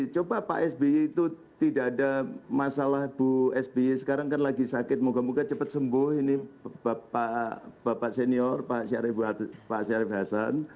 coba pak sby itu tidak ada masalah bu sby sekarang kan lagi sakit moga moga cepat sembuh ini bapak senior pak syarif hasan